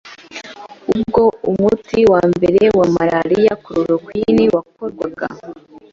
Ubwo umuti wa mbere wa malaria, chloroquine, wakorwaga